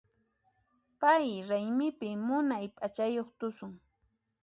Pay raymipi munay p'achayuq tusun.